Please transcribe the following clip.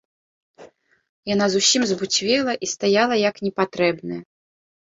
Яна зусім збуцвела і стаяла як непатрэбная.